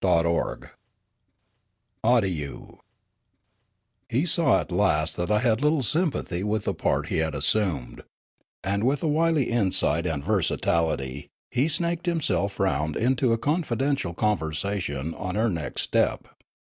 CHAPTER XXI AWDYOO HE saw at last that I had httle sympathy with the part he had assumed ; and with a wily insight and versatilit}' he snaked himself round into a con fidential conversation on our next step.